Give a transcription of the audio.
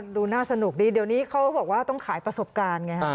ดูน่าสนุกดีเดี๋ยวนี้เขาบอกว่าต้องขายประสบการณ์ไงฮะ